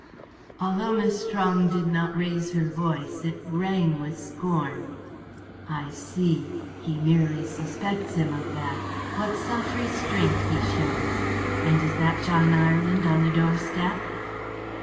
Although Miss Strong did not raise her voice, it rang with scorn. "I see. He merely suspects him of that. What self restraint he shows! And is that John Ireland on the doorstep?"